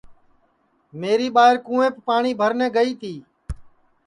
میری ٻائیر کُونٚویپ پاٹؔی بھرنے گئی تی